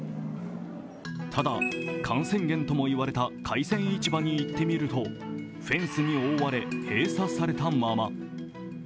ただ、感染源とも言われた海鮮市場に行ってみるとフェンスに覆われ閉鎖されたまま。